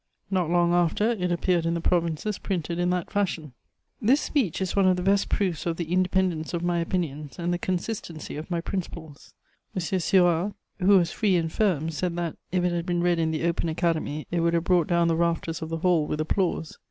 Not long after, it appeared in the provinces printed in that fashion. This speech is one of the best proofs of the independence of my opinions and the consistency of my principles. M. Suard, who was free and firm, said that, if it had been read in the open Academy, it would have brought down the rafters of the hall with applause.